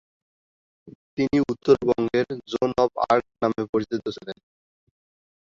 তিনি উত্তরবঙ্গের 'Joan of Arc' নামে পরিচিত ছিলেন।